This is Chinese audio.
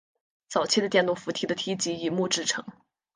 早期的电动扶梯的梯级以木制成。